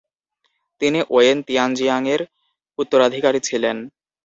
তিনি ওয়েন তিয়ানজিয়াংয়ের উত্তরাধিকারী ছিলেন।